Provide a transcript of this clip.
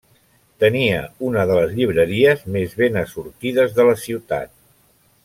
Tenia una de les llibreries més ben assortides de la ciutat.